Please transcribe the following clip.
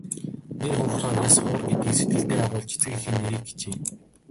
Нэр хугарахаар яс хугар гэдгийг сэтгэлдээ агуулж эцэг эхийн нэрийг хичээе.